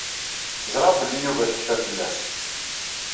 Ẓriɣ belli Yuba tekfa fell-as.